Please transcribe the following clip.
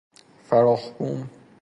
فراخ بوم